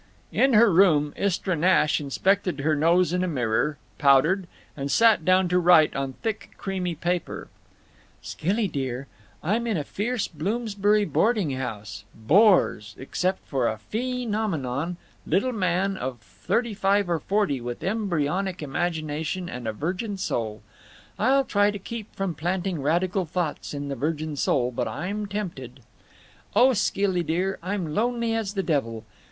In her room Istra Nash inspected her nose in a mirror, powdered, and sat down to write, on thick creamy paper: Skilly dear, I'm in a fierce Bloomsbury boarding house—bores —except for a Phe nomenon—little man of 35 or 40 with embryonic imagination & a virgin soul. I'll try to keep from planting radical thoughts in the virgin soul, but I'm tempted. Oh Skilly dear I'm lonely as the devil.